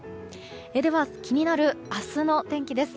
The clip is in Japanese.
では、気になる明日の天気です。